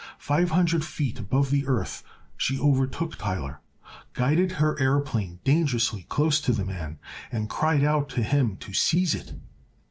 Five hundred feet above the earth she overtook Tyler, guided her aëroplane dangerously close to the man, and cried out to him to seize it.